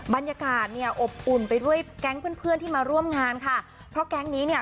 บรรยากาศเนี่ยอบอุ่นไปด้วยแก๊งเพื่อนเพื่อนที่มาร่วมงานค่ะเพราะแก๊งนี้เนี่ย